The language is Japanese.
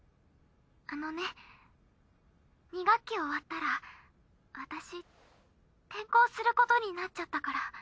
あのね２学期終わったら私転校することになっちゃったから。